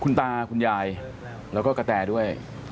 คุณตาคุณยายแล้วก็กระแตด้วย